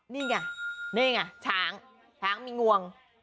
นี่ไงนี่ไงช้างช้างมีงวง